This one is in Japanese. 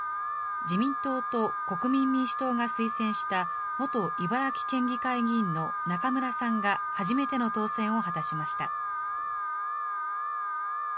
自民党と国民民主党が推薦した元茨城県議会議員の中村さんが初めての当選を果たしました。